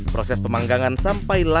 proses pemanggangan sampai lapisan selesai